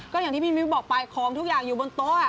ก็อย่างที่พี่มิ้วบอกไปของทุกอย่างอยู่บนโต๊ะ